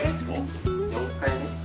４回目？